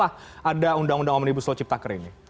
ada undang undang omnibus soal ciptaker ini